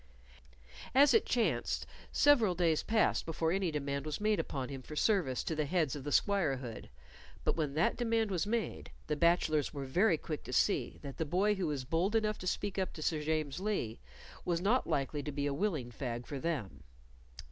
As it chanced, several days passed before any demand was made upon him for service to the heads of the squirehood, but when that demand was made, the bachelors were very quick to see that the boy who was bold enough to speak up to Sir James Lee was not likely to be a willing fag for them.